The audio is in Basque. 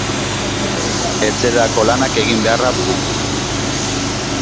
Etxerako lanak egin beharra dugu.